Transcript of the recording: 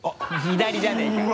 左じゃねえかよ。